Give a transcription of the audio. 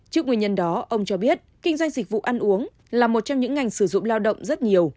trước nguyên nhân đó ông cho biết kinh doanh dịch vụ ăn uống là một trong những ngành sử dụng lao động rất nhiều